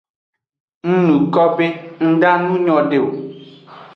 Ng nuko be nda nu nyode o.